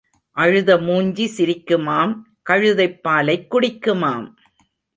அழுத மூஞ்சி சிரிக்குமாம் கழுதைப் பாலைக் குடிக்குமாம்.